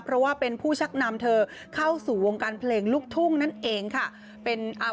เพราะว่าเป็นผู้ชักนำเธอเข้าสู่วงการเพลงลูกทุ่งนั่นเองค่ะ